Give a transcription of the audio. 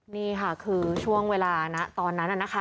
นี่ค่ะคือช่วงเวลานะตอนนั้นนะคะ